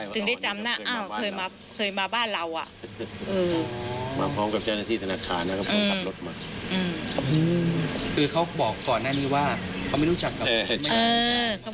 ถึงได้จำนะเคยมาบ้านเราอ่ะเอออืมอืมคือเขาบอกก่อนหน้านี้ว่าเขาไม่รู้จักกับไม่รู้จัก